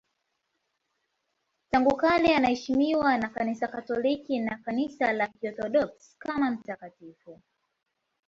Tangu kale anaheshimiwa na Kanisa Katoliki na Kanisa la Kiorthodoksi kama mtakatifu.